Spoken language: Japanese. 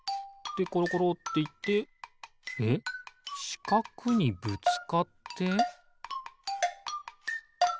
でころころっていってえっしかくにぶつかって？